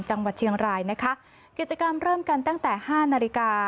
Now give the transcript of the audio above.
จังหวัดเชียงรายนะคะกิจกรรมเริ่มกันตั้งแต่ห้านาฬิกา